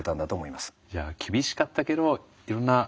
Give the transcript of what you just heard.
じゃあ厳しかったけどいろんな。